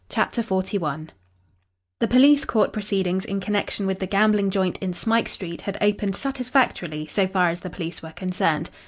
CHAPTER XLI The police court proceedings in connection with the gambling joint in Smike Street had opened satisfactorily so far as the police were concerned.